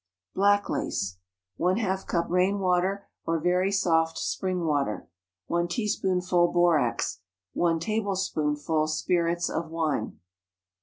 BLACK LACE. ½ cup rain water, or very soft spring water. 1 teaspoonful borax. 1 tablespoonful spirits of wine.